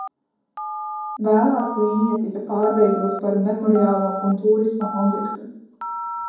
Vēlāk līnija tika pārveidota par memoriālo un tūrisma objektu.